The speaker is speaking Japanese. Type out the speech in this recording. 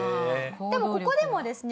でもここでもですね